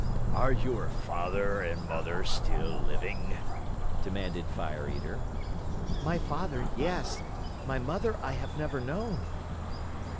Are your father and mother still living?" demanded Fire Eater. "My father, yes. My mother I have never known."